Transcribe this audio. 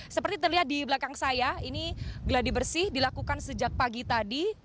seperti terlihat di belakang saya ini geladi bersih dilakukan sejak pagi tadi